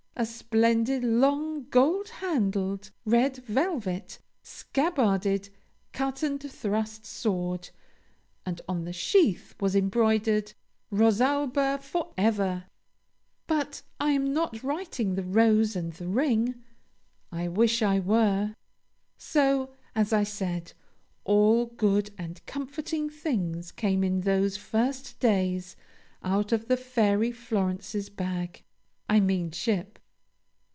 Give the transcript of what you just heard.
"A splendid long gold handled, red velvet scabbarded cut and thrust sword, and on the sheath was embroidered 'ROSALBA FOREVER!'" But I am not writing the "Rose and the Ring"; I wish I were! So, as I said, all good and comforting things came in those first days out of the Fairy Florence's bag I mean ship.